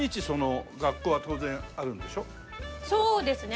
そうですね。